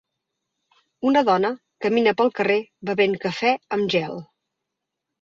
Una dona camina pel carrer bevent cafè amb gel.